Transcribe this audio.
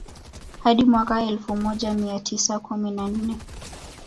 Hadi mwaka elfu moja mia tisa kumi na nne